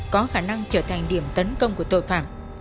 có khả năng trở thành điểm tấn công của tội phạm